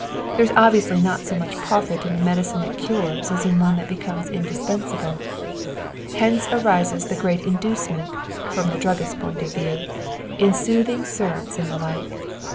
There is obviously not so much profit in a medicine that cures as in one that becomes indispensable. Hence arises the great inducement, from the druggist's point of view, in soothing syrups and the like.